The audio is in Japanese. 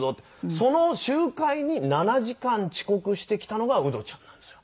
その集会に７時間遅刻してきたのがウドちゃんなんですよ。